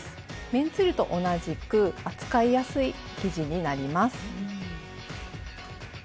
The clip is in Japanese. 綿ツイルと同じく扱いやすい生地になります。